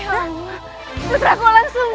hai jangan curang ya baik raden satu dua